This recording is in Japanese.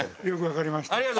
よくわかりました。